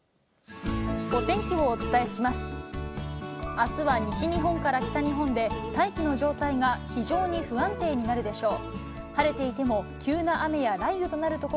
あすは西日本から北日本で、大気の状態が非常に不安定になるでしょう。